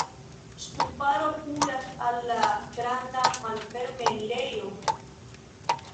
Ŝtuparo kuras al la granda malferme enirejo.